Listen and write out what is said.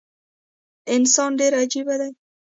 انسان ډیر عجیبه دي